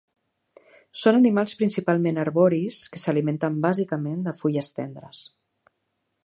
Són animals principalment arboris que s'alimenten bàsicament de fulles tendres.